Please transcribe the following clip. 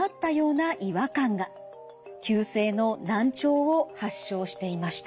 急性の難聴を発症していました。